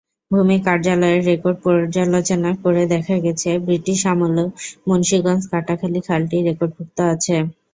ভূমি কার্যালয়ের রেকর্ড পর্যালোচনা করে দেখা গেছে, ব্রিটিশ আমলেও মুন্সিগঞ্জ-কাটাখালী খালটি রেকর্ডভুক্ত আছে।